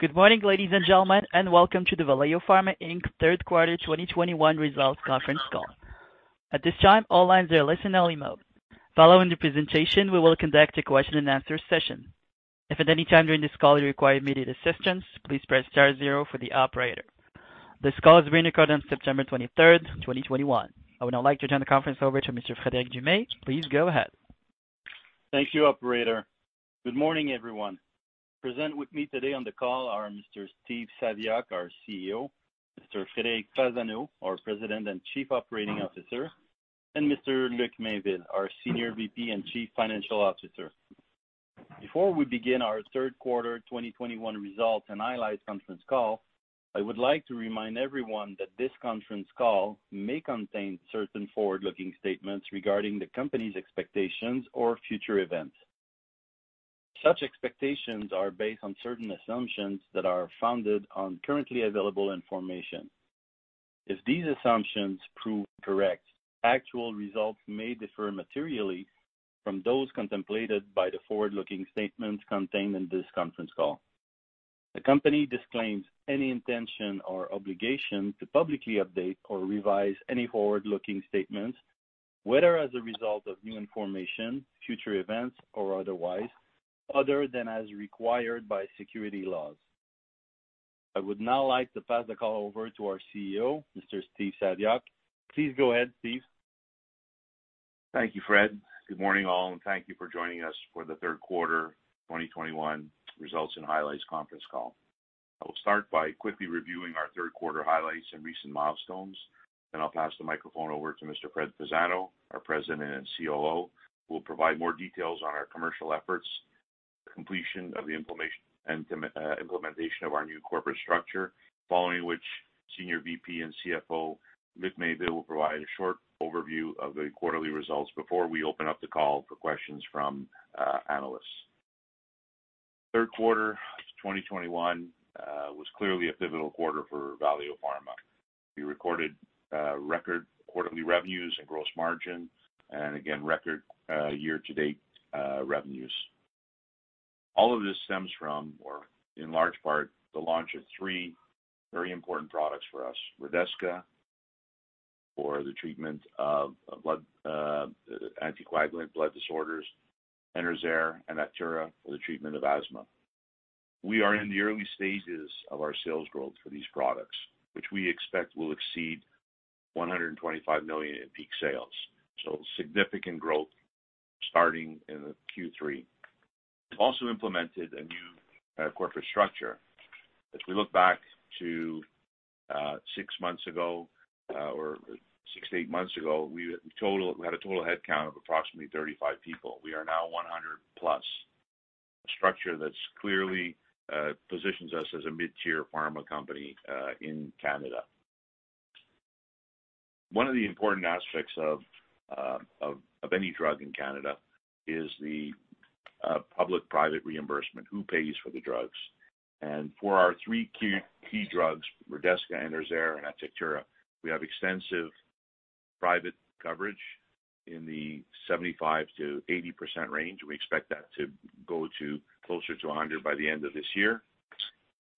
Good morning, ladies and gentlemen, and welcome to the Valeo Pharma Inc Third Quarter 2021 Results Conference Call. I would now like to turn the conference over to Mr. Frederic Dumais. Please go ahead. Thank you, operator. Good morning, everyone. Present with me today on the call are Mr. Steve Saviuk, our CEO, Mr. Frederic Fasano, our President and Chief Operating Officer, and Mr. Luc Mainville, our Senior VP and Chief Financial Officer. Before we begin our third quarter 2021 results and highlights conference call, I would like to remind everyone that this conference call may contain certain forward-looking statements regarding the company's expectations or future events. Such expectations are based on certain assumptions that are founded on currently available information. If these assumptions prove incorrect, actual results may differ materially from those contemplated by the forward-looking statements contained in this conference call. The company disclaims any intention or obligation to publicly update or revise any forward-looking statements, whether as a result of new information, future events, or otherwise, other than as required by security laws. I would now like to pass the call over to our CEO, Mr. Steve Saviuk. Please go ahead, Steve. Thank you, Fred. Good morning, all, and thank you for joining us for the third quarter 2021 results and highlights conference call. I will start by quickly reviewing our third quarter highlights and recent milestones, then I'll pass the microphone over to Mr. Fred Fasano, our President and COO, who will provide more details on our commercial efforts, completion of the implementation of our new corporate structure. Following which, Senior VP and CFO Luc Mainville will provide a short overview of the quarterly results before we open up the call for questions from analysts. Third quarter 2021 was clearly a pivotal quarter for Valeo Pharma. We recorded record quarterly revenues and gross margin, and again, record year-to-date revenues. All of this stems from, or in large part, the launch of three very important products for us. Redesca for the treatment of anticoagulant blood disorders, and ENERZAIR and ATECTURA for the treatment of asthma. We are in the early stages of our sales growth for these products, which we expect will exceed 125 million in peak sales. Significant growth starting in Q3. We've also implemented a new corporate structure. If we look back to six months ago or six to eight months ago, we had a total headcount of approximately 35 people. We are now 100+. A structure that clearly positions us as a mid-tier pharma company in Canada. One of the important aspects of any drug in Canada is the public-private reimbursement, who pays for the drugs. For our three key drugs, Redesca, ENERZAIR, and ATECTURA, we have extensive private coverage in the 75%-80% range. We expect that to go closer to 100% by the end of this year.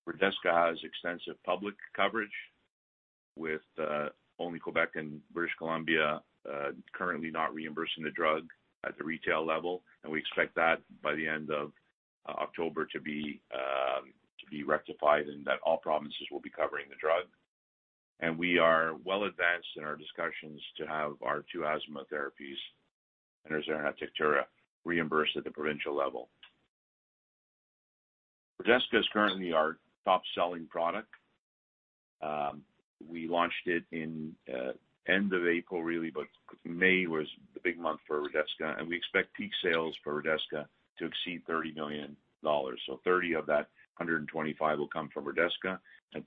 Redesca has extensive public coverage, with only Quebec and British Columbia currently not reimbursing the drug at the retail level. We expect that by the end of October to be rectified and that all provinces will be covering the drug. We are well advanced in our discussions to have our two asthma therapies, ENERZAIR and ATECTURA, reimbursed at the provincial level. Redesca is currently our top-selling product. We launched it in end of April, really, but May was the big month for Redesca. We expect peak sales for Redesca to exceed 30 million dollars. 30 million of that 125 million will come from Redesca.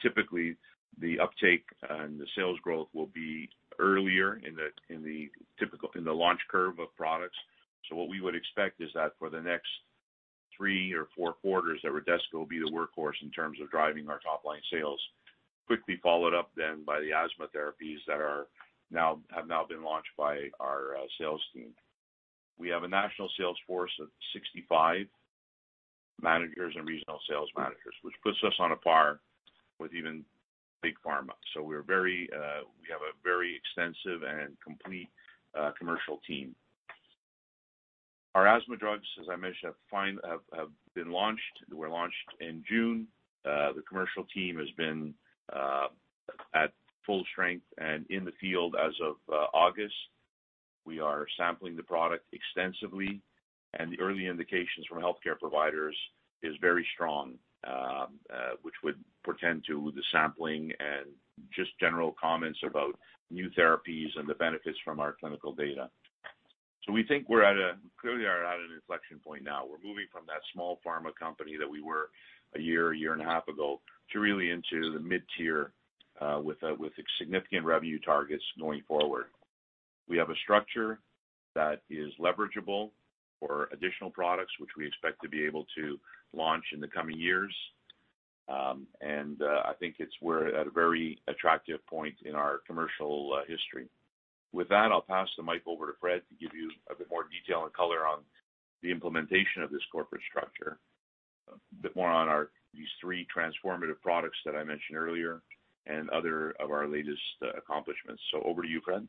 Typically, the uptake and the sales growth will be earlier in the launch curve of products. What we would expect is that for the next three or four quarters, that Redesca will be the workhorse in terms of driving our top-line sales. Quickly followed up by the asthma therapies that have now been launched by our sales team. We have a national sales force of 65 managers and regional sales managers, which puts us on a par with even big pharma. We have a very extensive and complete commercial team. Our asthma drugs, as I mentioned, have been launched. They were launched in June. The commercial team has been at full strength and in the field as of August. We are sampling the product extensively, and the early indications from healthcare providers is very strong, which would portend to the sampling and just general comments about new therapies and the benefits from our clinical data. We think we clearly are at an inflection point now. We're moving from that small pharma company that we were a year, a year and a half ago, to really into the mid-tier, with significant revenue targets going forward. We have a structure that is leverageable for additional products, which we expect to be able to launch in the coming years. I think we're at a very attractive point in our commercial history. With that, I'll pass the mic over to Fred to give you a bit more detail and color on the implementation of this corporate structure, a bit more on these three transformative products that I mentioned earlier, and other of our latest accomplishments. Over to you, Fred.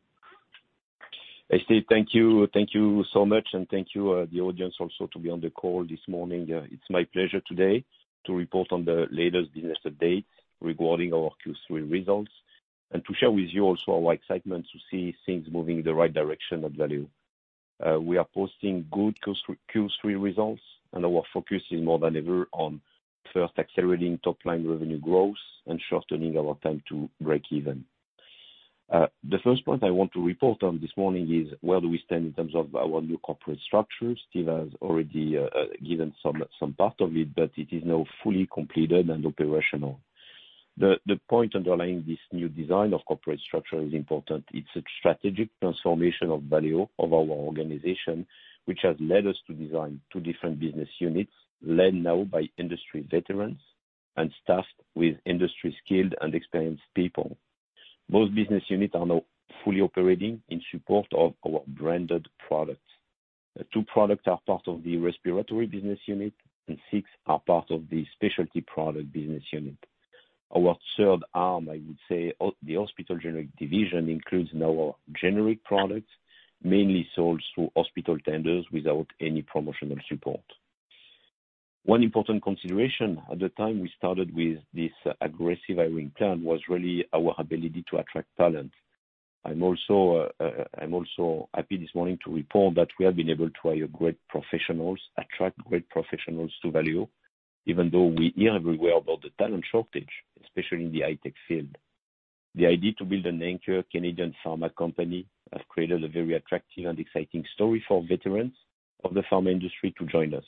Hey, Steve. Thank you. Thank you so much, and thank you, the audience, also to be on the call this morning. It's my pleasure today to report on the latest business updates regarding our Q3 results and to share with you also our excitement to see things moving in the right direction at Valeo. We are posting good Q3 results, and our focus is more than ever on first accelerating top-line revenue growth and shortening our time to break even. The first point I want to report on this morning is where do we stand in terms of our new corporate structure. Steve has already given some part of it, but it is now fully completed and operational. The point underlying this new design of corporate structure is important. It's a strategic transformation of Valeo, of our organization, which has led us to design two different business units led now by industry veterans and staffed with industry skilled and experienced people. Both business units are now fully operating in support of our branded products. Two products are part of the respiratory business unit, and six are part of the specialty product business unit. Our third arm, I would say, the hospital generic division, includes now generic products, mainly sold through hospital tenders without any promotional support. One important consideration at the time we started with this aggressive hiring plan was really our ability to attract talent. I'm also happy this morning to report that we have been able to hire great professionals, attract great professionals to Valeo, even though we hear everywhere about the talent shortage, especially in the high-tech field. The idea to build an anchor Canadian pharma company has created a very attractive and exciting story for veterans of the pharma industry to join us.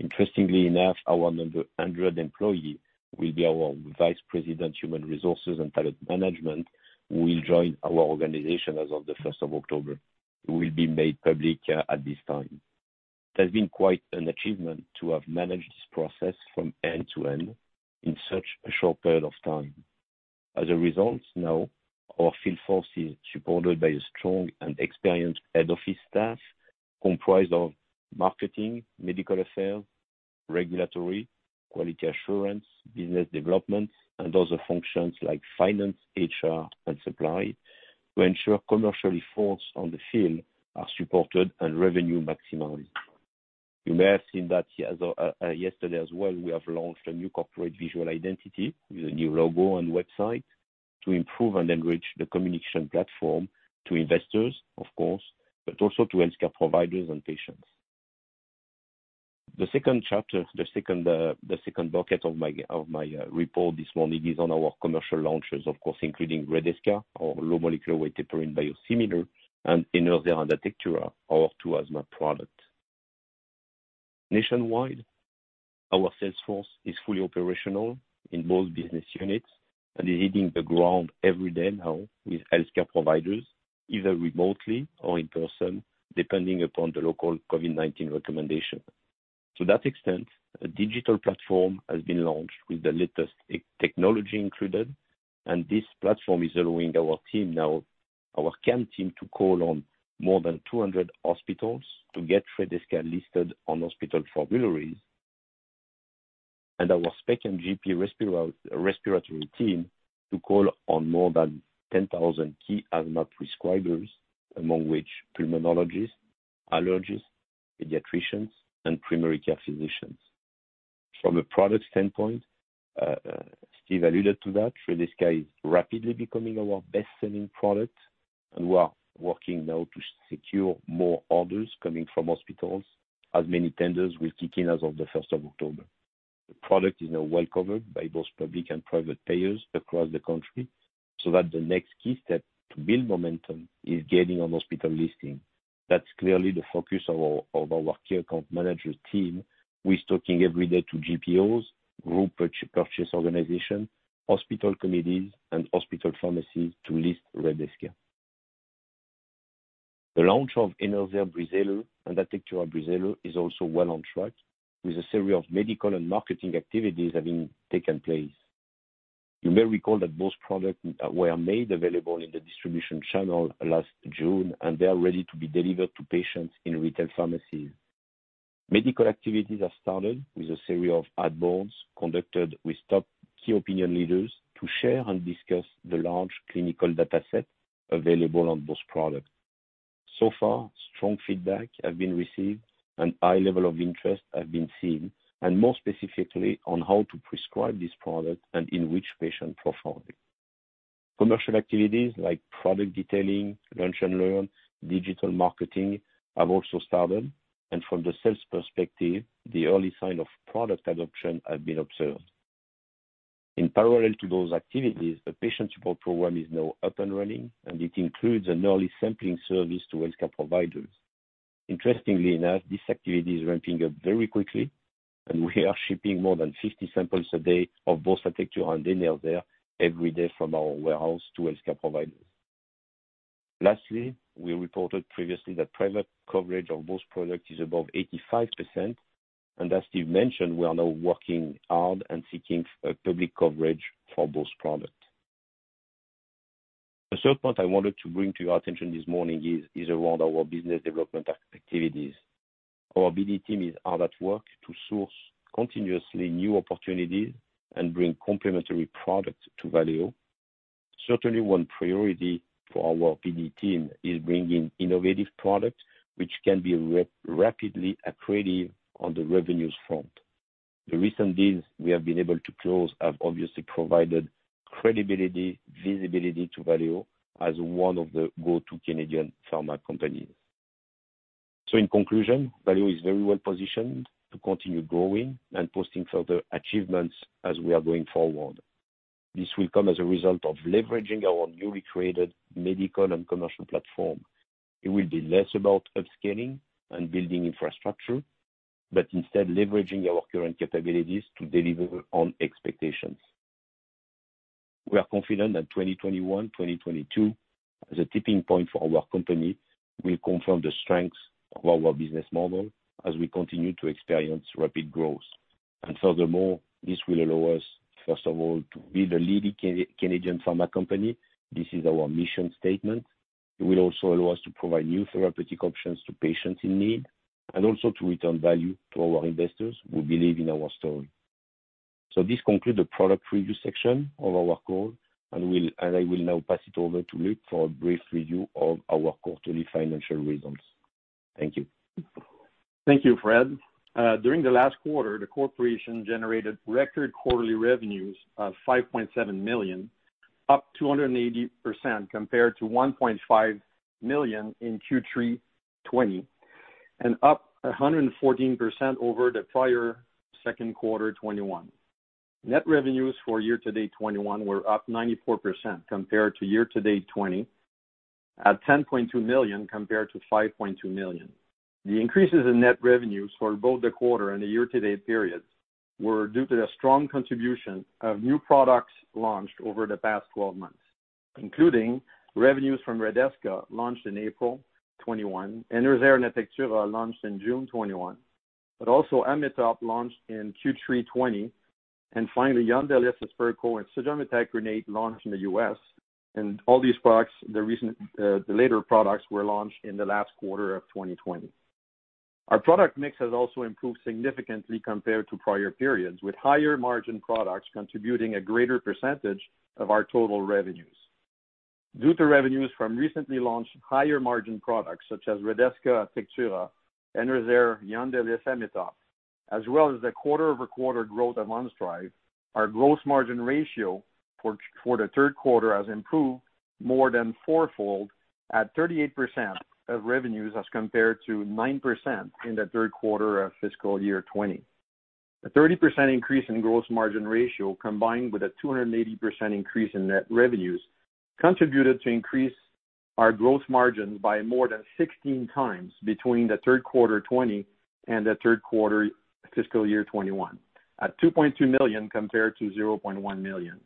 Interestingly enough, our number 100 employee will be our vice president, human resources and talent management, who will join our organization as of the 1st of October, who will be made public at this time. It has been quite an achievement to have managed this process from end to end in such a short period of time. As a result now, our field force is supported by a strong and experienced head office staff comprised of marketing, medical affairs, regulatory, quality assurance, business development, and other functions like finance, HR, and supply, to ensure commercial efforts on the field are supported and revenue maximized. You may have seen that yesterday as well. We have launched a new corporate visual identity with a new logo and website to improve and enrich the communication platform to investors, of course, but also to healthcare providers and patients. The second chapter, the second bucket of my report this morning is on our commercial launches, of course, including Redesca, our low molecular weight heparin biosimilar, and ENERZAIR and ATECTURA, our two asthma products. Nationwide, our sales force is fully operational in both business units and is hitting the ground every day now with healthcare providers, either remotely or in person, depending upon the local COVID-19 recommendation. To that extent, a digital platform has been launched with the latest technology included. This platform is allowing our team now, our account team, to call on more than 200 hospitals to get Redesca listed on hospital formularies and our spec and GP respiratory team to call on more than 10,000 key asthma prescribers, among which pulmonologists, allergists, pediatricians, and primary care physicians. From a product standpoint, Steve alluded to that Redesca is rapidly becoming our best-selling product. We are working now to secure more orders coming from hospitals, as many tenders will kick in as of the 1st of October. The product is now well-covered by both public and private payers across the country, so the next key step to build momentum is gaining on hospital listing. That's clearly the focus of our key account manager team, who is talking every day to GPOs, Group Purchasing Organizations, hospital committees, and hospital pharmacies to list Redesca. The launch of ENERZAIR Breezhaler and ATECTURA Breezhaler is also well on track, with a series of medical and marketing activities having taken place. You may recall that both products were made available in the distribution channel last June, and they are ready to be delivered to patients in retail pharmacies. Medical activities have started with a series of ad boards conducted with top key opinion leaders to share and discuss the large clinical data set available on this product. So far, strong feedback has been received, and high level of interest has been seen, and more specifically on how to prescribe this product and in which patient profile. Commercial activities like product detailing, lunch and learn, digital marketing have also started. From the sales perspective, the early sign of product adoption has been observed. In parallel to those activities, the patient support program is now up and running, and it includes an early sampling service to healthcare providers. Interestingly enough, this activity is ramping up very quickly, and we are shipping more than 50 samples a day of both ATECTURA and ENERZAIR every day from our warehouse to healthcare providers. Lastly, we reported previously that private coverage of both products is above 85%, and as Steve mentioned, we are now working hard and seeking public coverage for both products. The third point I wanted to bring to your attention this morning is around our business development activities. Our BD team is hard at work to source continuously new opportunities and bring complementary products to Valeo. Certainly, one priority for our BD team is bringing innovative products which can be rapidly accretive on the revenues front. The recent deals we have been able to close have obviously provided credibility, visibility to Valeo as one of the go-to Canadian pharma companies. In conclusion, Valeo is very well positioned to continue growing and posting further achievements as we are going forward. This will come as a result of leveraging our newly created medical and commercial platform. It will be less about upscaling and building infrastructure, but instead leveraging our current capabilities to deliver on expectations. We are confident that 2021-2022, as a tipping point for our company, will confirm the strengths of our business model as we continue to experience rapid growth. Furthermore, this will allow us, first of all, to be the leading Canadian pharma company. This is our mission statement. It will also allow us to provide new therapeutic options to patients in need and also to return value to our investors who believe in our story. This concludes the product review section of our call, and I will now pass it over to Luc for a brief review of our quarterly financial results. Thank you. Thank you, Fred. During the last quarter, the corporation generated record quarterly revenues of 5.7 million, up 280% compared to 1.5 million in Q3 2020, and up 114% over the prior second quarter 2021. Net revenues for year-to-date 2021 were up 94% compared to year-to-date 2020 at 10.2 million compared to 5.2 million. The increases in net revenues for both the quarter and the year-to-date periods were due to the strong contribution of new products launched over the past 12 months, including revenues from Redesca, launched in April 2021, ENERZAIR and ATECTURA launched in June 2021, but also Ametop launched in Q3 2020, and finally, YONDELIS for sarcoma and sodium ethacrynate launched in the U.S. All these products, the later products were launched in the last quarter of 2020. Our product mix has also improved significantly compared to prior periods, with higher margin products contributing a greater percentage of our total revenues. Due to revenues from recently launched higher margin products such as Redesca, ATECTURA, ENERZAIR, YONDELIS, Ametop, as well as the quarter-over-quarter growth of Onstryv, our gross margin ratio for the third quarter has improved more than fourfold at 38% of revenues as compared to 9% in the third quarter of fiscal year 2020. A 30% increase in gross margin ratio, combined with a 280% increase in net revenues, contributed to increase our growth margins by more than 16 times between the third quarter 2020 and the third quarter fiscal year 2021, at 2.2 million compared to 0.1 million.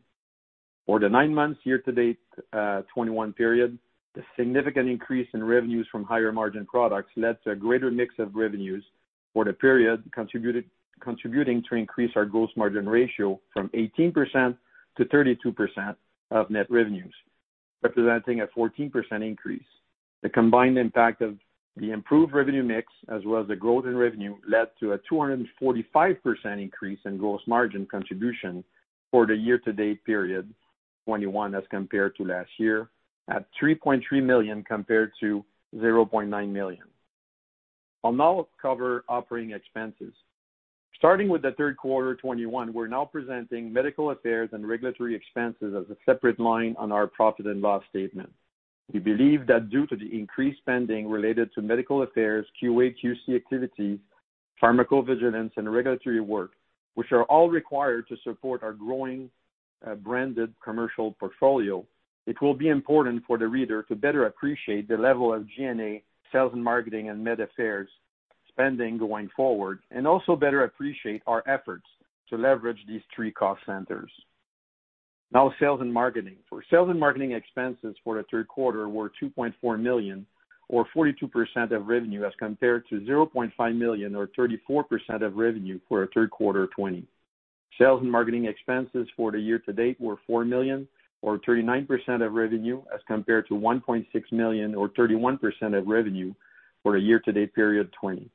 For the nine months year-to-date 2021 period, the significant increase in revenues from higher margin products led to a greater mix of revenues for the period, contributing to increase our gross margin ratio from 18% to 32% of net revenues, representing a 14% increase. The combined impact of the improved revenue mix as well as the growth in revenue led to a 245% increase in gross margin contribution for the year-to-date period 2021 as compared to last year, at 3.3 million compared to 0.9 million. I'll now cover operating expenses. Starting with the third quarter 2021, we're now presenting medical affairs and regulatory expenses as a separate line on our profit and loss statement. We believe that due to the increased spending related to medical affairs, QA, QC activities, pharmacovigilance, and regulatory work, which are all required to support our growing branded commercial portfolio, it will be important for the reader to better appreciate the level of G&A, sales and marketing, and med affairs spending going forward, and also better appreciate our efforts to leverage these three cost centers. Now, sales and marketing. For sales and marketing expenses for the third quarter were 2.4 million or 42% of revenue as compared to 0.5 million or 34% of revenue for the third quarter 2020. Sales and marketing expenses for the year-to-date were 4 million or 39% of revenue as compared to 1.6 million or 31% of revenue for the year-to-date period 2020.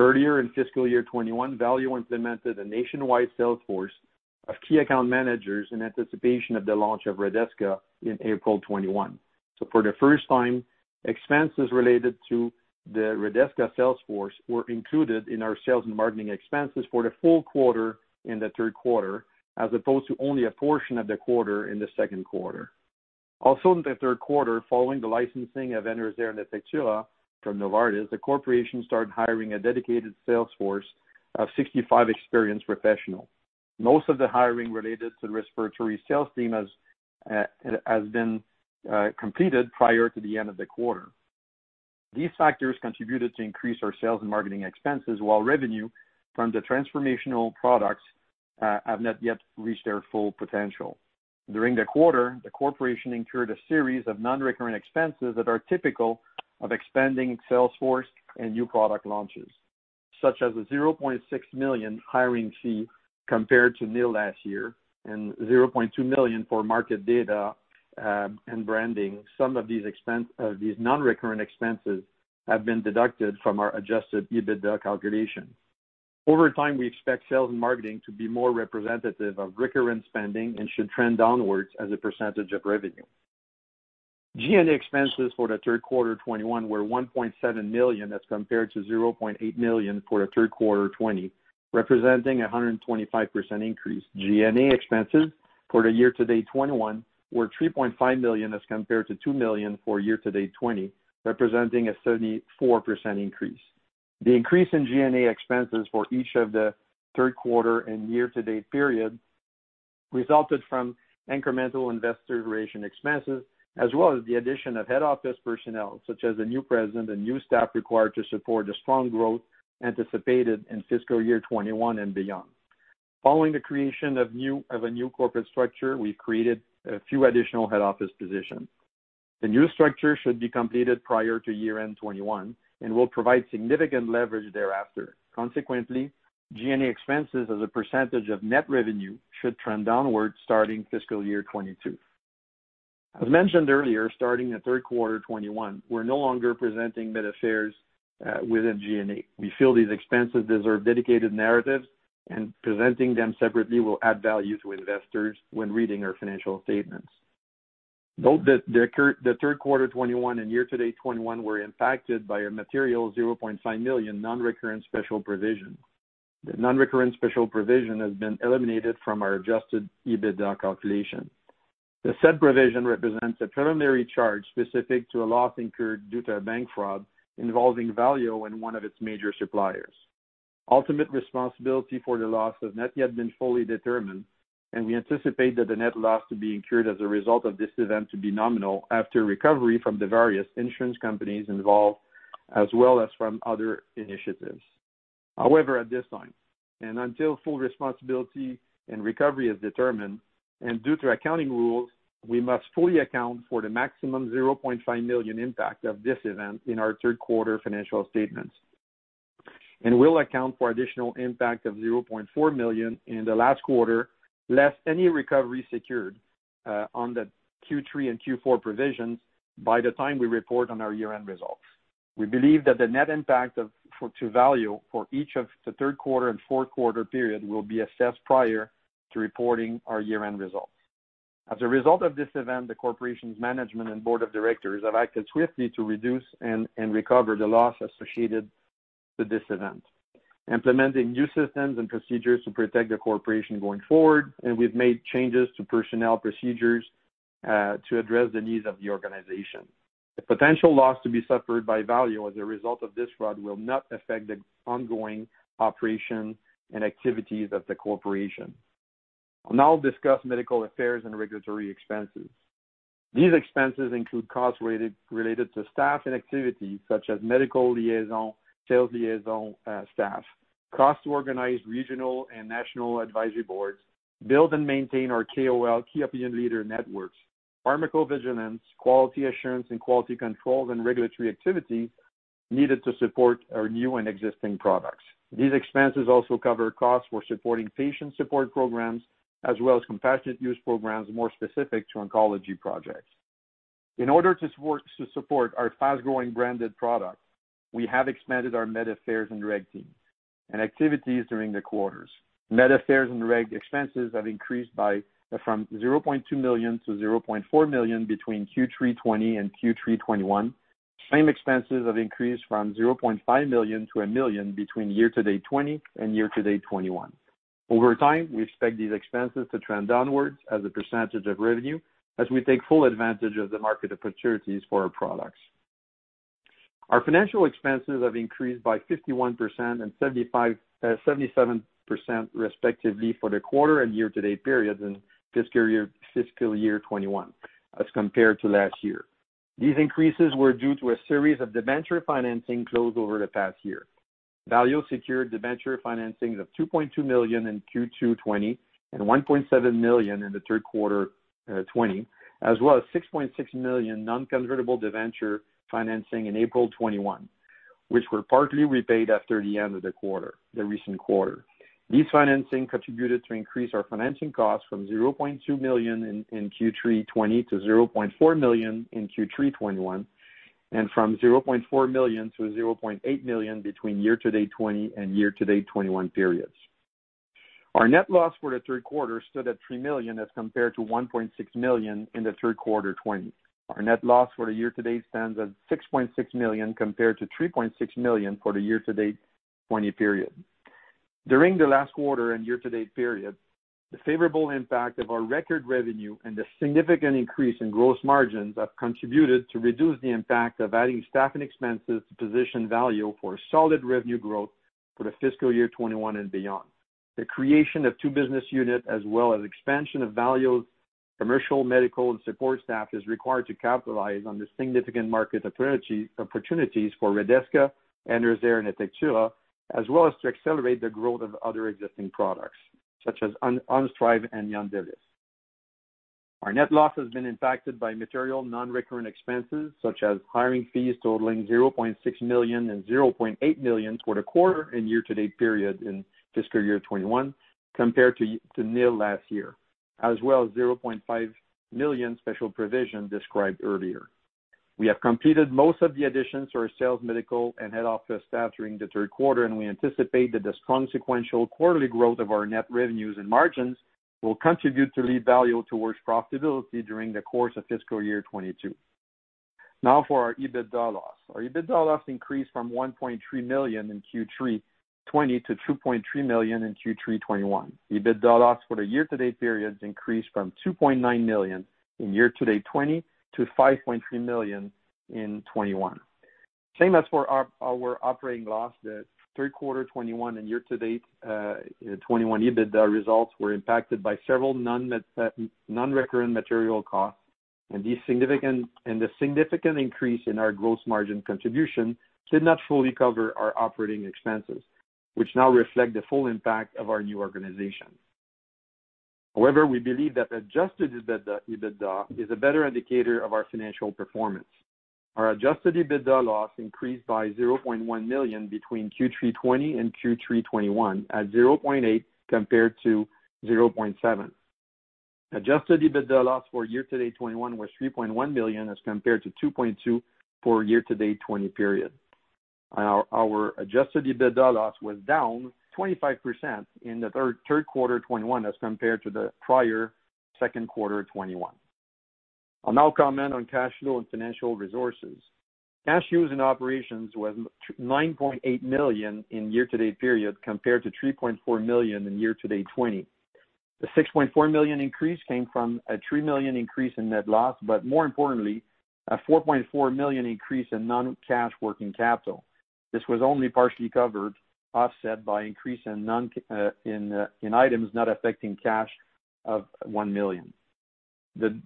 Earlier in fiscal year 2021, Valeo implemented a nationwide sales force of key account managers in anticipation of the launch of Redesca in April 2021. For the first time, expenses related to the Redesca sales force were included in our sales and marketing expenses for the full quarter in the third quarter, as opposed to only a portion of the quarter in the second quarter. In the third quarter, following the licensing of ENERZAIR and ATECTURA from Novartis, the corporation started hiring a dedicated sales force of 65 experienced professionals. Most of the hiring related to the respiratory sales team has been completed prior to the end of the quarter. These factors contributed to increase our sales and marketing expenses, while revenue from the transformational products have not yet reached their full potential. During the quarter, the corporation incurred a series of non-recurring expenses that are typical of expanding sales force and new product launches, such as a 0.6 million hiring fee compared to zero last year, and 0.2 million for market data and branding. Some of these non-recurrent expenses have been deducted from our adjusted EBITDA calculation. Over time, we expect sales and marketing to be more representative of recurrent spending and should trend downwards as a percentage of revenue. G&A expenses for the third quarter 2021 were 1.7 million as compared to 0.8 million for the third quarter 2020, representing a 125% increase. G&A expenses for the year-to-date 2021 were 3.5 million as compared to 2 million for year-to-date 2020, representing a 74% increase. The increase in G&A expenses for each of the third quarter and year-to-date period resulted from incremental investor relations expenses as well as the addition of head office personnel, such as a new president and new staff required to support the strong growth anticipated in fiscal year 2021 and beyond. Following the creation of a new corporate structure, we've created a few additional head office positions. The new structure should be completed prior to year-end 2021, and will provide significant leverage thereafter. Consequently, G&A expenses as a percentage of net revenue should trend downwards starting fiscal year 2022. As mentioned earlier, starting in the third quarter 2021, we're no longer presenting med affairs within G&A. We feel these expenses deserve dedicated narratives, and presenting them separately will add value to investors when reading our financial statements. Note that the third quarter 2021 and year-to-date 2021 were impacted by a material 0.5 million non-recurrent special provision. The non-recurrent special provision has been eliminated from our adjusted EBITDA calculation. The said provision represents a preliminary charge specific to a loss incurred due to a bank fraud involving Valeo and one of its major suppliers. Ultimate responsibility for the loss has not yet been fully determined, and we anticipate that the net loss to be incurred as a result of this event to be nominal after recovery from the various insurance companies involved, as well as from other initiatives. At this time, and until full responsibility and recovery is determined, and due to accounting rules, we must fully account for the maximum 0.5 million impact of this event in our third quarter financial statements, and will account for additional impact of 0.4 million in the last quarter, less any recovery secured on the Q3 and Q4 provisions by the time we report on our year-end results. We believe that the net impact to Valeo for each of the third quarter and fourth quarter period will be assessed prior to reporting our year-end results. As a result of this event, the corporation's management and board of directors have acted swiftly to reduce and recover the loss associated to this event, implementing new systems and procedures to protect the corporation going forward, and we've made changes to personnel procedures to address the needs of the organization. The potential loss to be suffered by Valeo as a result of this fraud will not affect the ongoing operation and activities of the corporation. I'll now discuss medical affairs and regulatory expenses. These expenses include costs related to staff and activities such as medical liaison, sales liaison staff, costs to organize regional and national advisory boards, build and maintain our KOL, key opinion leader networks, pharmacovigilance, quality assurance and quality control and regulatory activity needed to support our new and existing products. These expenses also cover costs for supporting patient support programs, as well as compassionate use programs more specific to oncology projects. In order to support our fast-growing branded product, we have expanded our med affairs and reg team and activities during the quarters. Med affairs and reg expenses have increased from 0.2 million to 0.4 million between Q3 2020 and Q3 2021. Same expenses have increased from 0.5 million to 1 million between year-to-date 2020 and year-to-date 2021. Over time, we expect these expenses to trend downwards as a percentage of revenue as we take full advantage of the market opportunities for our products. Our financial expenses have increased by 51% and 77% respectively for the quarter and year-to-date periods in fiscal year 2021 as compared to last year. These increases were due to a series of debenture financing closed over the past year. Valeo secured debenture financings of CAD 2.2 million in Q2 2020 and CAD 1.7 million in the third quarter 2020, as well as CAD 6.6 million non-convertible debenture financing in April 2021, which were partly repaid after the end of the recent quarter. These financing contributed to increase our financing costs from 0.2 million in Q3 2020 to 0.4 million in Q3 2021, and from 0.4 million to 0.8 million between year-to-date 2020 and year-to-date 2021 periods. Our net loss for the third quarter stood at 3 million as compared to 1.6 million in the third quarter 2020. Our net loss for the year-to-date stands at 6.6 million compared to 3.6 million for the year-to-date 2020 period. During the last quarter and year-to-date period, the favorable impact of our record revenue and the significant increase in gross margins have contributed to reduce the impact of adding staff and expenses to position Valeo for a solid revenue growth for the fiscal year 2021 and beyond. The creation of two business unit as well as expansion of Valeo's commercial medical and support staff is required to capitalize on the significant market opportunities for Redesca and ENERZAIR and ATECTURA, as well as to accelerate the growth of other existing products such as Onstryv and YONDELIS. Our net loss has been impacted by material non-recurrent expenses such as hiring fees totaling 0.6 million and 0.8 million for the quarter and year-to-date period in fiscal year 2021, compared to nil last year, as well as 0.5 million special provision described earlier. We have completed most of the additions to our sales medical and head office staff during the third quarter, and we anticipate that the strong sequential quarterly growth of our net revenues and margins will contribute to lead Valeo towards profitability during the course of fiscal year 2022. Now for our EBITDA loss. Our EBITDA loss increased from 1.3 million in Q3 2020 to 2.3 million in Q3 2021. EBITDA loss for the year-to-date period increased from 2.9 million in year-to-date 2020 to 5.3 million in 2021. Same as for our operating loss, the third quarter 2021 and year-to-date 2021 EBITDA results were impacted by several non-recurrent material costs, and the significant increase in our gross margin contribution did not fully cover our operating expenses, which now reflect the full impact of our new organization. However, we believe that adjusted EBITDA is a better indicator of our financial performance. Our adjusted EBITDA loss increased by 0.1 million between Q3 2020 and Q3 2021, at 0.8 million compared to 0.7 million. Adjusted EBITDA loss for year-to-date 2021 was 3.1 million as compared to 2.2 million for year-to-date 2020 period. Our adjusted EBITDA loss was down 25% in the third quarter 2021 as compared to the prior second quarter of 2021. I'll now comment on cash flow and financial resources. Cash used in operations was 9.8 million in year-to-date period compared to 3.4 million in year-to-date 2020. The 6.4 million increase came from a 3 million increase in net loss, more importantly, a 4.4 million increase in non-cash working capital. This was only partially covered, offset by increase in items not affecting cash of 1 million.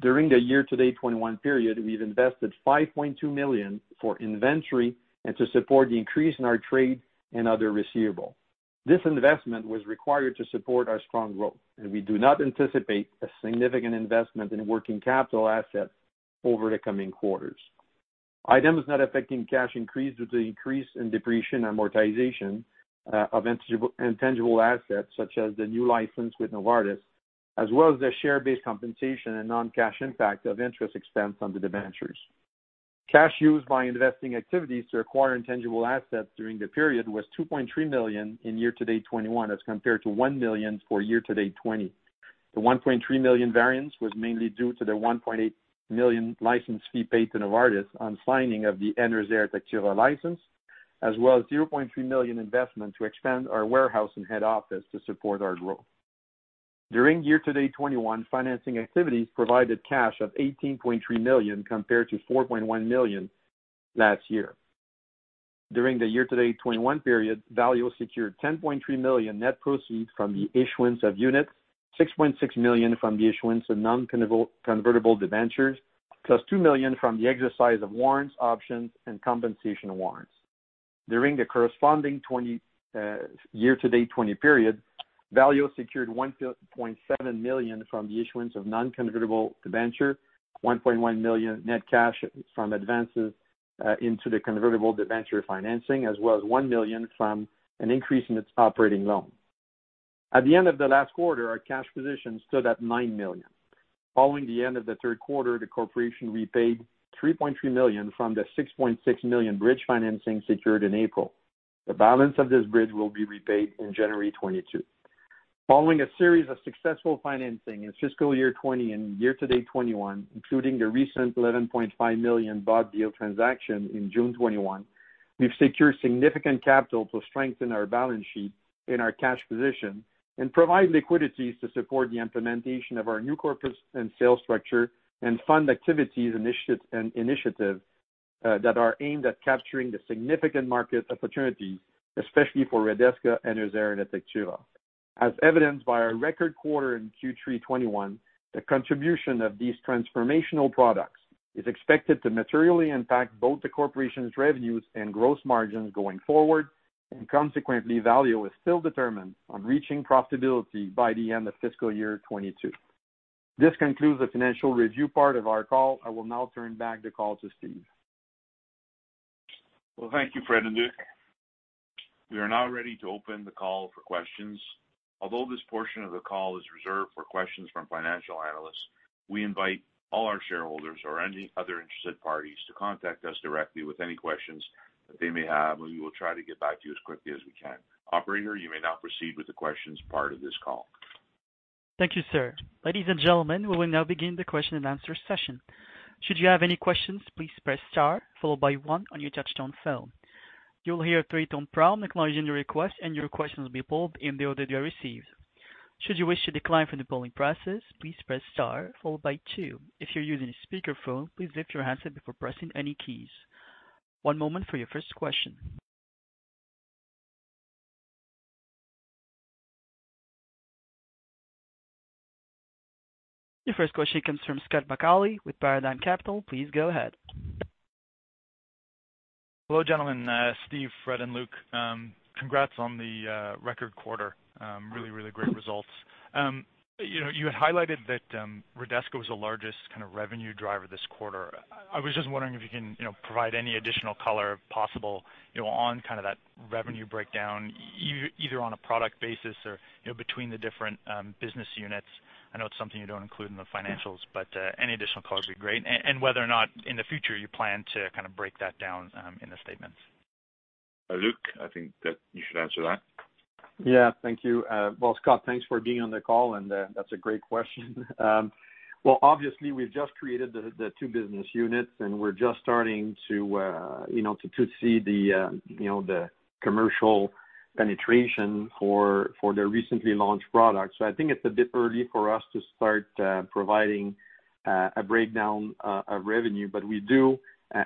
During the year-to-date 2021 period, we've invested 5.2 million for inventory and to support the increase in our trade and other receivable. This investment was required to support our strong growth, we do not anticipate a significant investment in working capital assets over the coming quarters. Items not affecting cash increased with the increase in depreciation and amortization of intangible assets such as the new license with Novartis, as well as the share-based compensation and non-cash impact of interest expense on the debentures. Cash used by investing activities to acquire intangible assets during the period was 2.3 million in year-to-date 2021 as compared to 1 million for year-to-date 2020. The 1.3 million variance was mainly due to the 1.8 million license fee paid to Novartis on signing of the ENERZAIR and ATECTURA license, as well as 0.3 million investment to expand our warehouse and head office to support our growth. During year-to-date 2021, financing activities provided cash of 18.3 million compared to 4.1 million last year. During the year-to-date 2021 period, Valeo secured 10.3 million net proceeds from the issuance of units, 6.6 million from the issuance of non-convertible debentures, plus 2 million from the exercise of warrants, options, and compensation warrants. During the corresponding year-to-date 2020 period, Valeo secured 1.7 million from the issuance of non-convertible debenture, 1.1 million net cash from advances into the convertible debenture financing, as well as 1 million from an increase in its operating loan. At the end of the last quarter, our cash position stood at 9 million. Following the end of the third quarter, the corporation repaid 3.3 million from the 6.6 million bridge financing secured in April. The balance of this bridge will be repaid in January 2022. Following a series of successful financing in fiscal year 2020 and year-to-date 2021, including the recent 11.5 million bought deal transaction in June 2021, we've secured significant capital to strengthen our balance sheet and our cash position and provide liquidities to support the implementation of our new corporate and sales structure and fund activities and initiatives that are aimed at capturing the significant market opportunity, especially for Redesca, ENERZAIR, and ATECTURA. As evidenced by our record quarter in Q3 2021, the contribution of these transformational products is expected to materially impact both the corporation's revenues and gross margins going forward. Consequently, Valeo is still determined on reaching profitability by the end of fiscal year 2022. This concludes the financial review part of our call. I will now turn back the call to Steve. Well, thank you, Fred and Luc. We are now ready to open the call for questions. Although this portion of the call is reserved for questions from financial analysts, we invite all our shareholders or any other interested parties to contact us directly with any questions that they may have, and we will try to get back to you as quickly as we can. Operator, you may now proceed with the questions part of this call. Thank you, sir. Ladies and gentlemen, we will now begin the question and answer session. Should you have any questions, please press star followed by one on your touchtone phone. You will hear a three-tone prompt acknowledging the request, and your question will be pulled in the order they are received. Should you wish to decline from the polling process, please press star followed by two. If you're using a speakerphone, please lift your handset before pressing any keys. One moment for your first question. Your first question comes from Scott McAuley with Paradigm Capital. Please go ahead. Hello, gentlemen. Steve, Fred, and Luc. Congrats on the record quarter. Really great results. You had highlighted that Redesca was the largest revenue driver this quarter. I was just wondering if you can provide any additional color possible on that revenue breakdown, either on a product basis or between the different business units. I know it's something you don't include in the financials, but any additional color would be great. Whether or not in the future you plan to break that down in the statements. Luc, I think that you should answer that. Yeah. Thank you. Well, Scott, thanks for being on the call, and that's a great question. Well, obviously, we've just created the two business units, and we're just starting to see the commercial penetration for the recently launched products. I think it's a bit early for us to start providing a breakdown of revenue. We do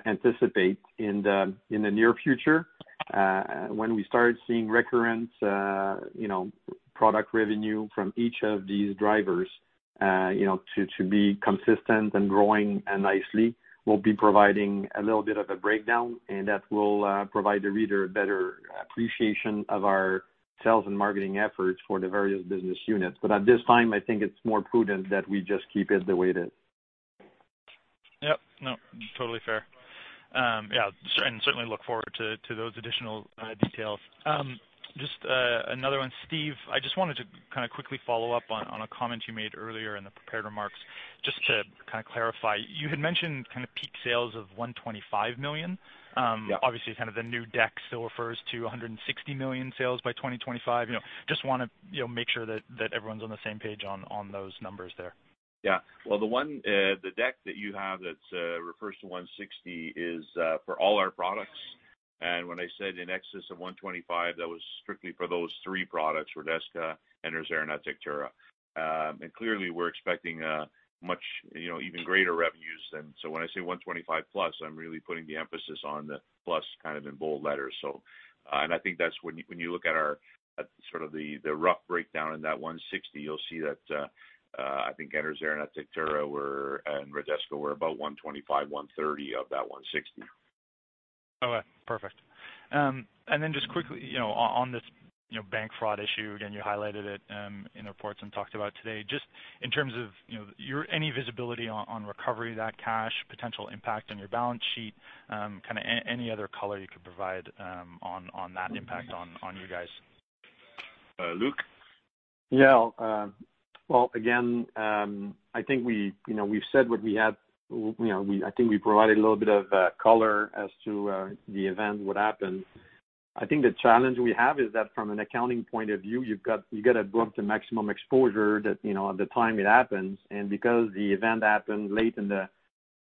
anticipate in the near future, when we start seeing recurrent product revenue from each of these drivers to be consistent and growing nicely, we'll be providing a little bit of a breakdown, and that will provide the reader a better appreciation of our sales and marketing efforts for the various business units. At this time, I think it's more prudent that we just keep it the way it is. Yep. No, totally fair. Yeah. Certainly look forward to those additional details. Just another one. Steve, I just wanted to quickly follow up on a comment you made earlier in the prepared remarks. Just to clarify, you had mentioned peak sales of 125 million. Yeah. The new deck still refers to 160 million sales by 2025. Just want to make sure that everyone's on the same page on those numbers there. Yeah. Well, the deck that you have that refers to 160 million is for all our products. When I said in excess of 125 million, that was strictly for those three products, Redesca, ENERZAIR, and ATECTURA. Clearly, we're expecting even greater revenues than. When I say 125+ million, I'm really putting the emphasis on the plus in bold letters. I think that's when you look at the rough breakdown in that 160 million, you'll see that I think ENERZAIR and ATECTURA and Redesca were about 125 million, 130 million of that 160 million. Okay. Perfect. Just quickly on this bank fraud issue, again, you highlighted it in reports and talked about today. Just in terms of any visibility on recovery of that cash, potential impact on your balance sheet, any other color you could provide on that impact on you guys? Luc? Yeah. Well, again, I think we've said what we had. I think we provided a little bit of color as to the event, what happened. I think the challenge we have is that from an accounting point of view, you've got to book the maximum exposure at the time it happens. Because the event happened late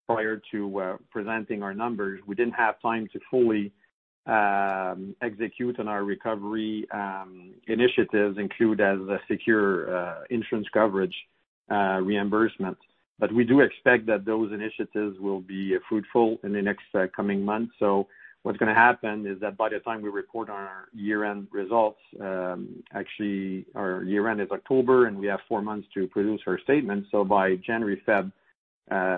prior to presenting our numbers, we didn't have time to fully execute on our recovery initiatives, include as the secure insurance coverage reimbursement. We do expect that those initiatives will be fruitful in the next coming months. What's going to happen is that by the time we report our year-end results, actually our year-end is October, and we have four months to produce our statement. By January, February,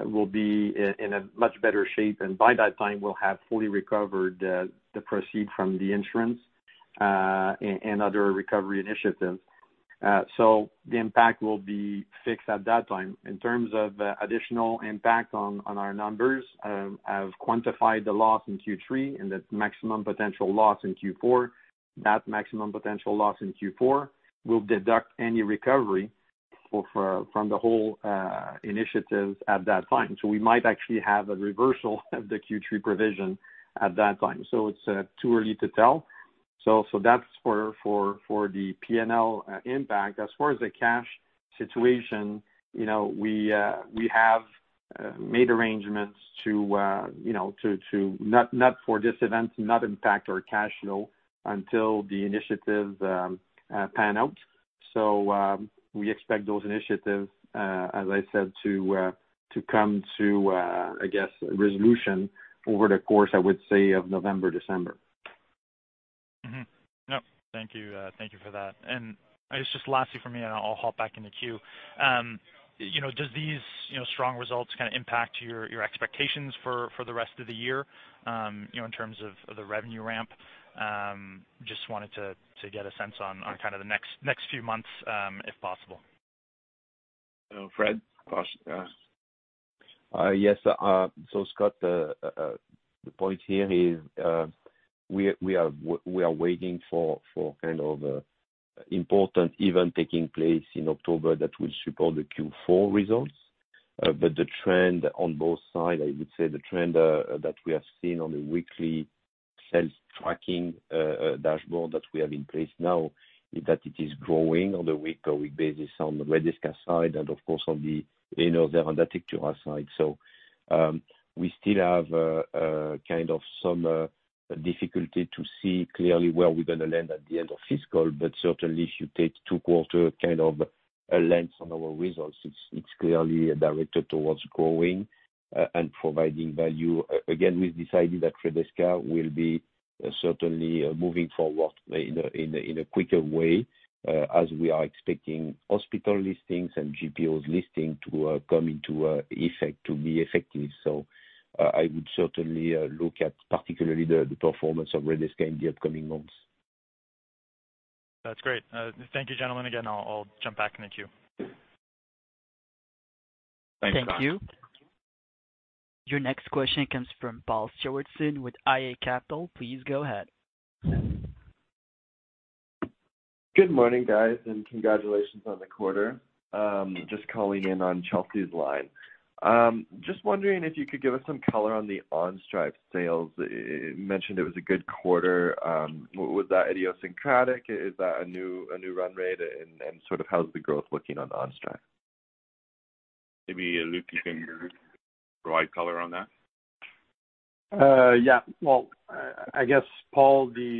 we'll be in a much better shape, and by that time, we'll have fully recovered the proceed from the insurance and other recovery initiatives. The impact will be fixed at that time. In terms of additional impact on our numbers, I've quantified the loss in Q3 and the maximum potential loss in Q4. That maximum potential loss in Q4 will deduct any recovery from the whole initiative at that time. We might actually have a reversal of the Q3 provision at that time. It's too early to tell. That's for the P&L impact. As far as the cash situation, we have made arrangements for this event to not impact our cash flow until the initiatives pan out. We expect those initiatives, as I said, to come to a resolution over the course, I would say, of November, December. Yep. Thank you for that. It's just lastly from me, and I'll hop back in the queue. Does these strong results impact your expectations for the rest of the year in terms of the revenue ramp? Just wanted to get a sense on the next few months, if possible. Fred? Yes. Scott, the point here is we are waiting for an important event taking place in October that will support the Q4 results. The trend on both sides, I would say the trend that we have seen on the weekly sales tracking dashboard that we have in place now is that it is growing on a week-over-week basis on the Redesca side and, of course, on the ENERZAIR and ATECTURA side. We still have some difficulty to see clearly where we're going to land at the end of fiscal. Certainly, if you take two quarter kind of a lens on our results. It's clearly directed towards growing and providing value. Again, we've decided that Redesca will be certainly moving forward in a quicker way, as we are expecting hospital listings and GPOs listing to come into effect, to be effective. I would certainly look at particularly the performance of Redesca in the upcoming months. That's great. Thank you, gentlemen. Again, I'll jump back in the queue. Thanks. Thank you. Your next question comes from Paul Stewardson with iA Capital. Please go ahead. Good morning, guys, and congratulations on the quarter. Just calling in on Chelsea's line. Just wondering if you could give us some color on the Onstryv sales. You mentioned it was a good quarter. Was that idiosyncratic? Is that a new run rate? Sort of how's the growth looking on Onstryv? Maybe Luc, you can provide color on that. Yeah. Well, I guess, Paul, the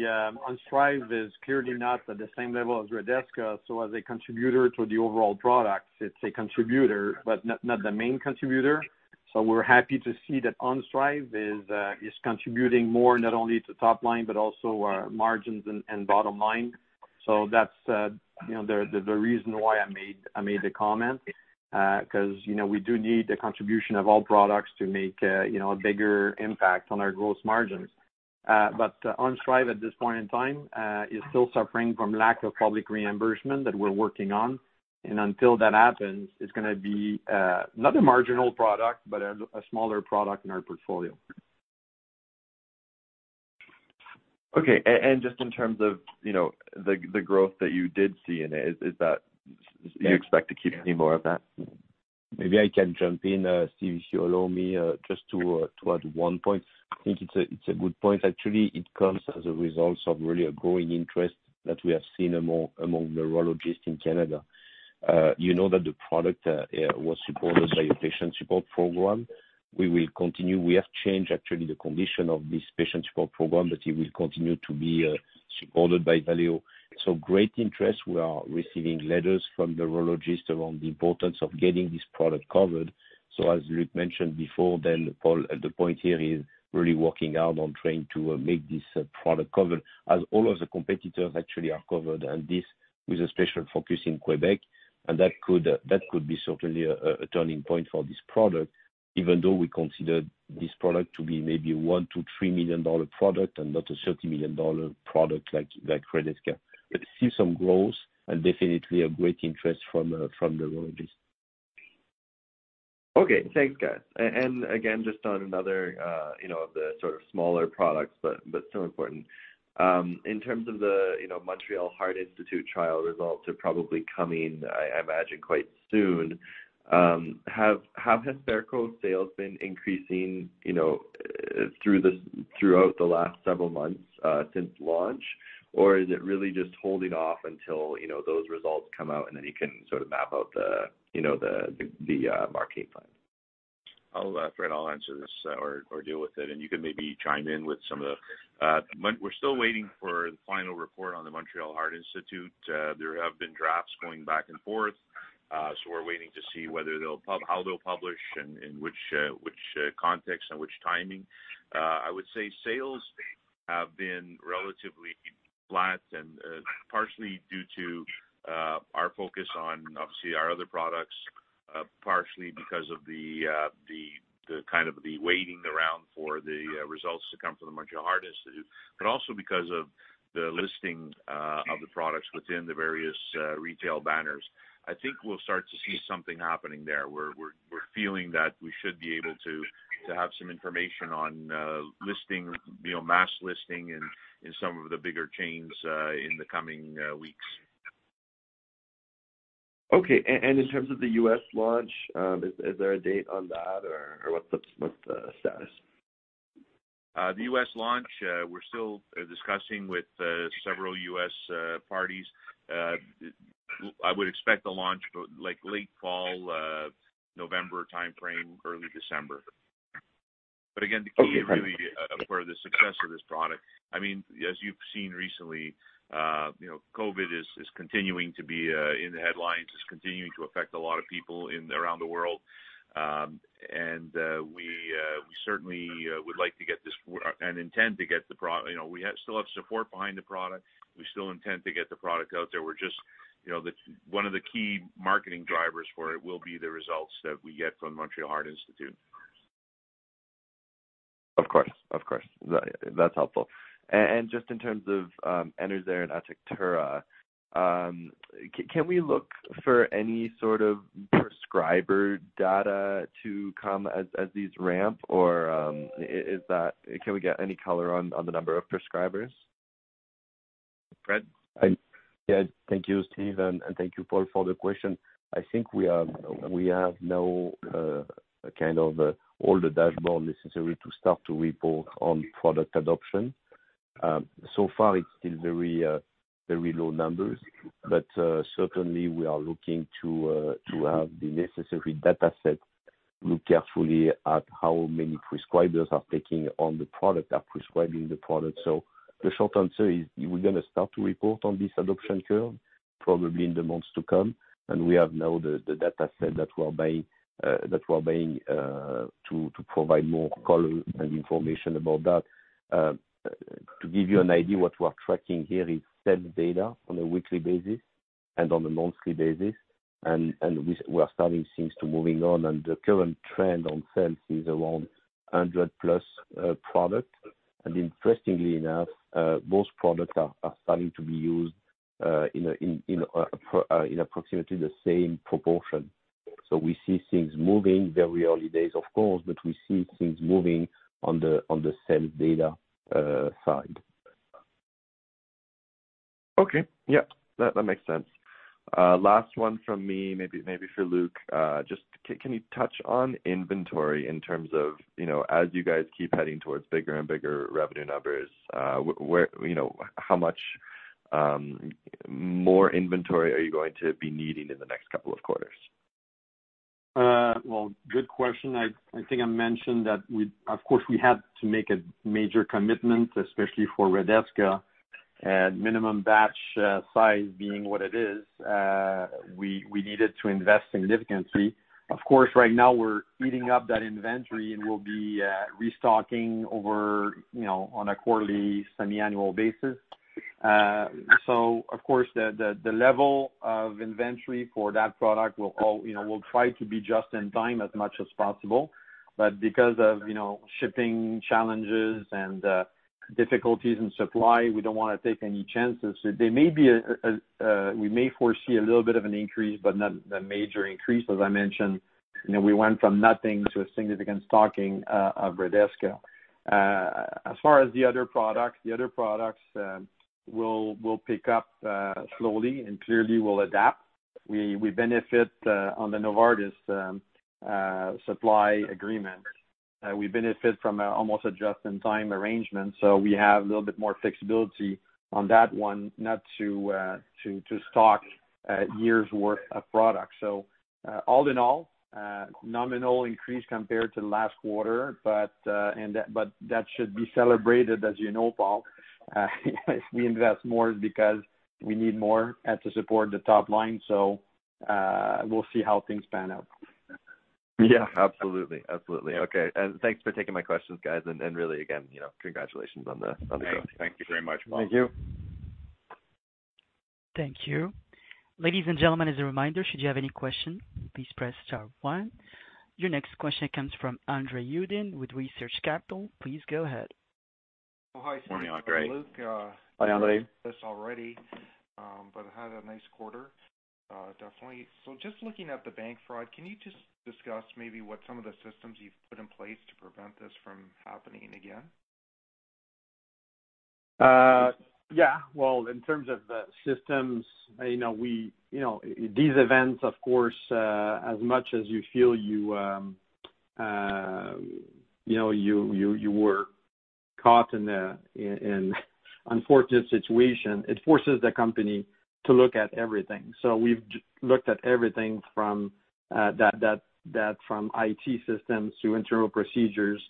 Onstryv is clearly not at the same level as Redesca. As a contributor to the overall products, it's a contributor, but not the main contributor. We're happy to see that Onstryv is contributing more not only to top line, but also our margins and bottom line. That's the reason why I made the comment, because we do need the contribution of all products to make a bigger impact on our gross margins. Onstryv, at this point in time, is still suffering from lack of public reimbursement that we're working on. Until that happens, it's going to be, not a marginal product, but a smaller product in our portfolio. Okay. Just in terms of the growth that you did see in it, do you expect to keep seeing more of that? Maybe I can jump in, Steve, if you allow me, just to add one point. I think it's a good point, actually. It comes as a result of really a growing interest that we have seen among neurologists in Canada. You know that the product was supported by a patient support program. We will continue. We have changed, actually, the condition of this patient support program, but it will continue to be supported by Valeo. Great interest. We are receiving letters from neurologists around the importance of getting this product covered. As Luc mentioned before, then Paul, the point here is really working out on trying to make this product covered as all of the competitors actually are covered, and this with a special focus in Quebec. That could be certainly a turning point for this product, even though we consider this product to be maybe a 1 million-3 million dollar product and not a 30 million dollar product like Redesca. We see some growth and definitely a great interest from the neurologists. Okay. Thanks, guys. Again, just on another of the sort of smaller products, but still important. In terms of the Montreal Heart Institute trial results are probably coming, I imagine, quite soon. Have Hesperco sales been increasing throughout the last several months since launch? Or is it really just holding off until those results come out and then you can sort of map out the marketing plan? Fred, I'll answer this or deal with it, and you can maybe chime in with some of the We're still waiting for the final report on the Montreal Heart Institute. There have been drafts going back and forth. We're waiting to see whether they'll how they'll publish and in which context and which timing. I would say sales have been relatively flat and partially due to our focus on, obviously, our other products, partially because of the kind of the waiting around for the results to come from the Montreal Heart Institute, but also because of the listing of the products within the various retail banners. I think we'll start to see something happening there. We're feeling that we should be able to have some information on mass listing in some of the bigger chains in the coming weeks. Okay. In terms of the U.S. launch, is there a date on that, or what's the status? The U.S. launch, we're still discussing with several U.S. parties. I would expect the launch like late fall, November timeframe, early December. Again, the key really for the success of this product, as you've seen recently, COVID-19 is continuing to be in the headlines. It's continuing to affect a lot of people around the world. We certainly would like to get this and intend to get the product. We still have support behind the product. We still intend to get the product out there. One of the key marketing drivers for it will be the results that we get from Montreal Heart Institute. Of course. That's helpful. Just in terms of ENERZAIR and ATECTURA, can we look for any sort of prescriber data to come as these ramp, or can we get any color on the number of prescribers? Fred? Yeah. Thank you, Steve, and thank you, Paul, for the question. I think we have now kind of all the dashboard necessary to start to report on product adoption. Far it's still very low numbers, but certainly we are looking to have the necessary data set. Look carefully at how many prescribers are taking on the product, are prescribing the product. The short answer is, we're going to start to report on this adoption curve probably in the months to come, and we have now the data set that we're buying to provide more color and information about that. To give you an idea, what we're tracking here is sales data on a weekly basis and on a monthly basis. We are starting things moving on. The current trend on sales is around 100+ product. Interestingly enough, those products are starting to be used in approximately the same proportion. We see things moving, very early days of course, but we see things moving on the sales data side. Yeah. That makes sense. Last one from me, maybe for Luc. Just, can you touch on inventory in terms of, as you guys keep heading towards bigger and bigger revenue numbers, how much more inventory are you going to be needing in the next couple of quarters? Well, good question. I think I mentioned that of course, we had to make a major commitment, especially for Redesca, and minimum batch size being what it is, we needed to invest significantly. Right now we're eating up that inventory and we'll be restocking over on a quarterly, semi-annual basis. Of course, the level of inventory for that product will try to be just in time as much as possible, but because of shipping challenges and difficulties in supply, we don't want to take any chances. We may foresee a little bit of an increase, not a major increase, as I mentioned. We went from nothing to a significant stocking of Redesca. As far as the other products, the other products will pick up slowly clearly we'll adapt. We benefit on the Novartis supply agreement. We benefit from almost a just-in-time arrangement. We have a little bit more flexibility on that one not to stock a year's worth of product. All in all, nominal increase compared to last quarter, but that should be celebrated, as you know, Paul. If we invest more it's because we need more to support the top line. We'll see how things pan out. Yeah, absolutely. Okay. Thanks for taking my questions, guys. Really, again, congratulations on the growth. Thank you very much, Paul. Thank you. Thank you. Ladies and gentlemen, as a reminder, should you have any question, please press star one. Your next question comes from Andre Uddin with Research Capital. Please go ahead. Oh, hi Luc. Morning, Andre. Hi, Andre. This already. Had a nice quarter, definitely. Just looking at the bank fraud, can you just discuss maybe what some of the systems you've put in place to prevent this from happening again? Well, in terms of the systems, these events, of course, as much as you feel you were caught in an unfortunate situation, it forces the company to look at everything. We've looked at everything from IT systems to internal procedures,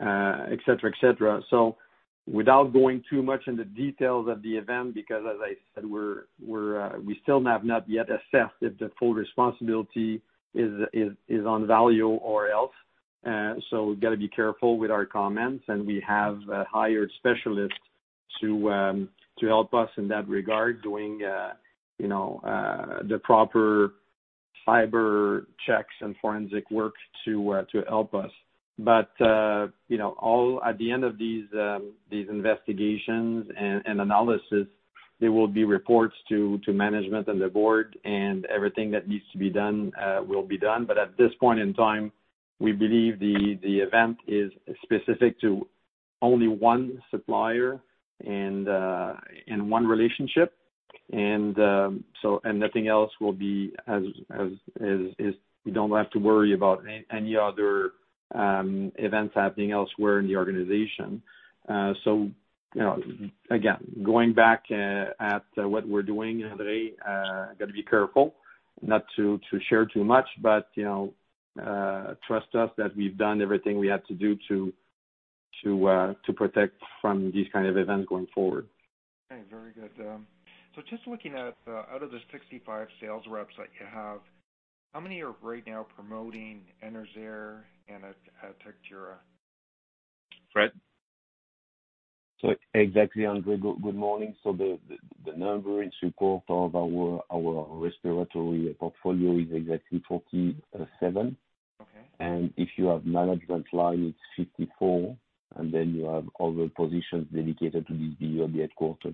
et cetera. Without going too much into details of the event, because as I said, we still have not yet assessed if the full responsibility is on Valeo or else. We've got to be careful with our comments, and we have hired specialists to help us in that regard during the proper cyber checks and forensic work to help us. At the end of these investigations and analysis, there will be reports to management and the board, and everything that needs to be done will be done. At this point in time, we believe the event is specific to only one supplier and one relationship. Nothing else will be. We don't have to worry about any other events happening elsewhere in the organization. Again, going back at what we're doing, Andre, got to be careful not to share too much, but trust us that we've done everything we had to do to protect from these kind of events going forward. Okay, very good. Just looking at, out of the 65 sales reps that you have, how many are right now promoting ENERZAIR and ATECTURA? Fred? Exactly, Andre. Good morning. The number in support of our respiratory portfolio is exactly 47. Okay. If you have management line, it's 54, and then you have other positions dedicated to this via the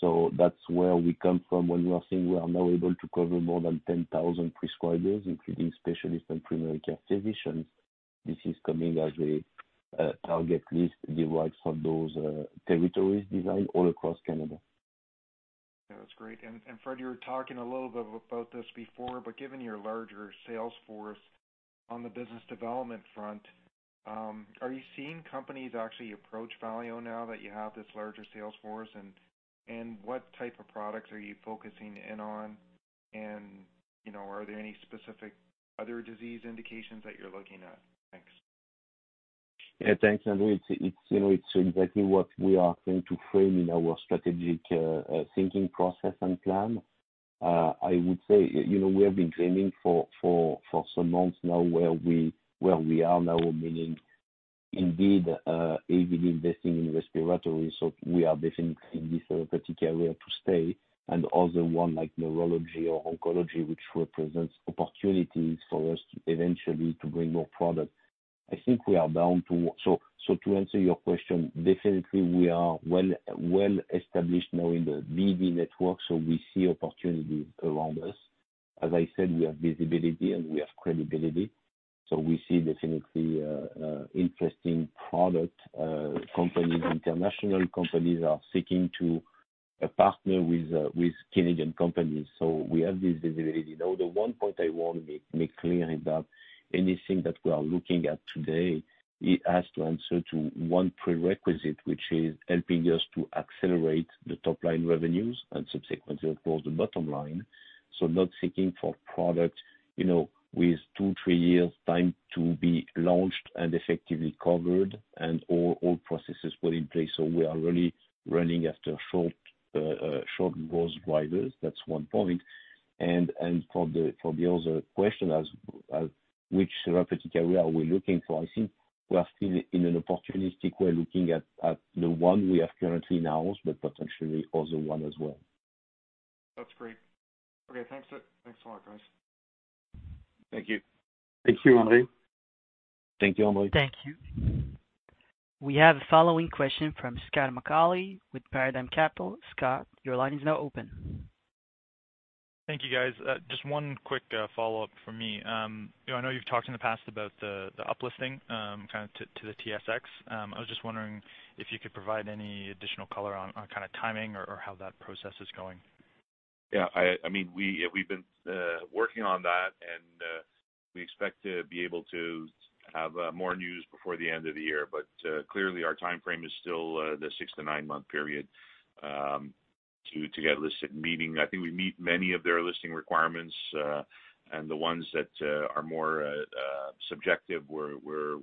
headquarters. That's where we come from when we are saying we are now able to cover more than 10,000 prescribers, including specialists and primary care physicians. This is coming as a target list derives from those territories designed all across Canada. That's great. Fred, you were talking a little bit about this before, but given your larger sales force on the business development front. Are you seeing companies actually approach Valeo now that you have this larger sales force? What type of products are you focusing in on? Are there any specific other disease indications that you're looking at? Thanks. Thanks, Andre. It's exactly what we are going to frame in our strategic thinking process and plan. I would say, we have been dreaming for some months now where we are now, meaning indeed heavily investing in respiratory. We are definitely in this therapeutic area to stay, and other one like neurology or oncology, which represents opportunities for us eventually to bring more product. To answer your question, definitely we are well established now in the BD network, so we see opportunities around us. As I said, we have visibility, and we have credibility. We see definitely interesting product. Companies, international companies are seeking to partner with Canadian companies. We have this visibility. Now, the one point I want to make clear is that anything that we are looking at today, it has to answer to one prerequisite, which is helping us to accelerate the top-line revenues and subsequently, of course, the bottom line. Not seeking for product with two, three years' time to be launched and effectively covered and all processes put in place. We are really running after short growth drivers. That's one point. For the other question, as which therapeutic area are we looking for? I think we are still in an opportunistic way, looking at the one we have currently announced, but potentially other one as well. That's great. Okay, thanks. Thanks a lot, guys. Thank you. Thank you, Andre. Thank you, Andre. Thank you. We have a following question from Scott McAuley with Paradigm Capital. Scott, your line is now open. Thank you, guys. Just 1 quick follow-up from me. I know you've talked in the past about the uplisting kind of to the TSX. I was just wondering if you could provide any additional color on kind of timing or how that process is going. Yeah. We've been working on that, and we expect to be able to have more news before the end of the year. Clearly our timeframe is still the six to nine-month period to get listed. Meaning, I think we meet many of their listing requirements. The ones that are more subjective we're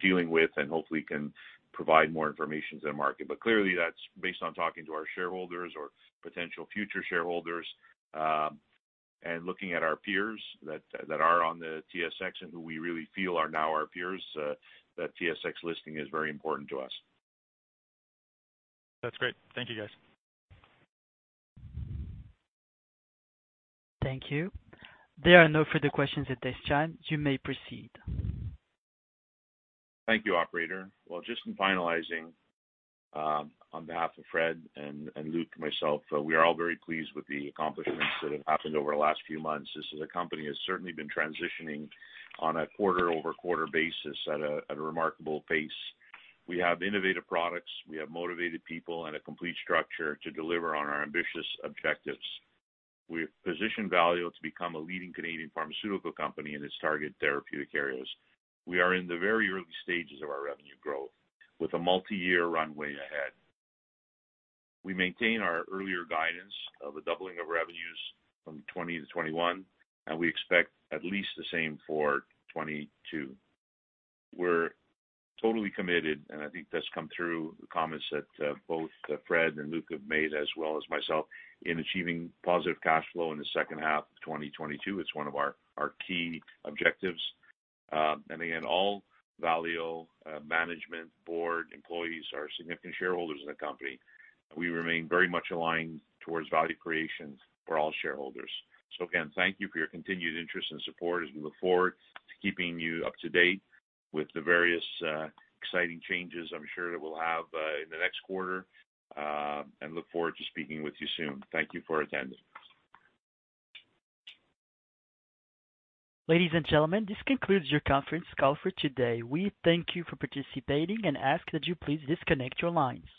dealing with and hopefully can provide more information to the market. Clearly that's based on talking to our shareholders or potential future shareholders, and looking at our peers that are on the TSX and who we really feel are now our peers. That TSX listing is very important to us. That's great. Thank you, guys. Thank you. There are no further questions at this time. You may proceed. Thank you, operator. Well, just in finalizing, on behalf of Fred and Luc, myself, we are all very pleased with the accomplishments that have happened over the last few months. This is a company that has certainly been transitioning on a quarter-over-quarter basis at a remarkable pace. We have innovative products, we have motivated people, and a complete structure to deliver on our ambitious objectives. We've positioned Valeo to become a leading Canadian pharmaceutical company in its target therapeutic areas. We are in the very early stages of our revenue growth, with a multiyear runway ahead. We maintain our earlier guidance of a doubling of revenues from 2020 to 2021, and we expect at least the same for 2022. We're totally committed, and I think that's come through the comments that both Fred and Luc have made, as well as myself, in achieving positive cash flow in the second half of 2022. It's one of our key objectives. Again, all Valeo management board employees are significant shareholders in the company. We remain very much aligned towards value creation for all shareholders. Again, thank you for your continued interest and support as we look forward to keeping you up to date with the various exciting changes I'm sure that we'll have in the next quarter, and look forward to speaking with you soon. Thank you for attending. Ladies and gentlemen, this concludes your conference call for today. We thank you for participating and ask that you please disconnect your lines.